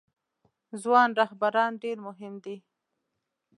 ځوان رهبران ډیر مهم دي